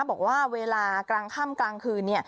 บอกว่าเวลากลางค่ำกลางคืน